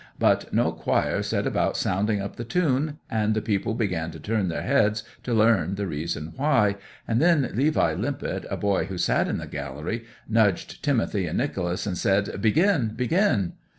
But no choir set about sounding up the tune, and the people began to turn their heads to learn the reason why, and then Levi Limpet, a boy who sat in the gallery, nudged Timothy and Nicholas, and said, "Begin! begin!"